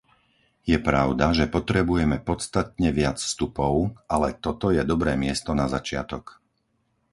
Je pravda, že potrebujeme podstatne viac vstupov, ale toto je dobré miesto na začiatok.